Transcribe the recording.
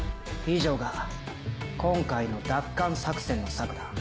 以上が今回の奪還作戦の策だ。